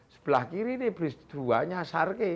sebelah kiri ini berduanya sarki